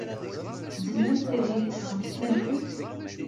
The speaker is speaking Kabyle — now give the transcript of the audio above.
Tzemremt ad iyi-d-tesɣemt tanfult?